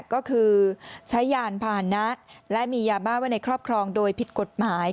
ก็คือใช้ยานพาหนะและมียาบ้าไว้ในครอบครองโดยผิดกฎหมาย